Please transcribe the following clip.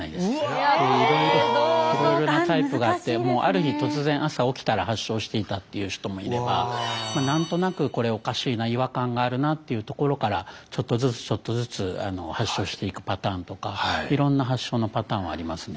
いろいろなタイプがあってある日突然朝起きたら発症していたっていう人もいれば何となくこれおかしいな違和感があるなっていうところからちょっとずつちょっとずつ発症していくパターンとかいろんな発症のパターンはありますね。